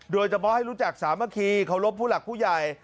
โดยเฉพาะให้รู้จักสามัคคีเคารพผู้หลักผู้ใหญ่